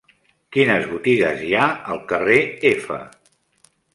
Quines botigues hi ha al carrer F?